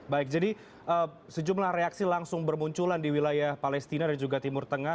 baik jadi sejumlah reaksi langsung bermunculan di wilayah palestina dan juga timur tengah